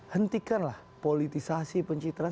hentikanlah politisasi penceritaan